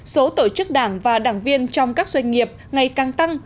số tổ chức đảng và đảng viên trong các doanh nghiệp ngày càng tăng